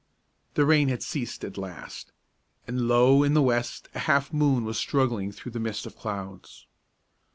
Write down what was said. The rain had ceased at last, and low in the west a half moon was struggling through the mist of clouds.